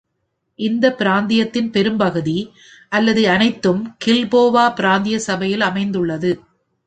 இந்த பிராந்தியத்தின் பெரும்பகுதி அல்லது அனைத்தும் கில்போவா பிராந்திய சபையில் அமைந்துள்ளது.